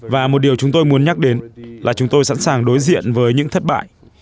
và một điều chúng tôi muốn nhắc đến là chúng tôi sẵn sàng đối diện với những thất bại